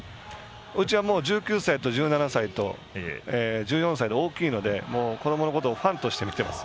うちは１９歳と１７歳と１４歳と大きいので子どものことをファンとして見てます。